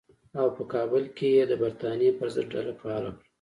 او په کابل کې یې د برټانیې پر ضد ډله فعاله کړه.